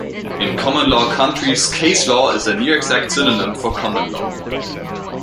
In common law countries, "case law" is a near-exact synonym for "common law.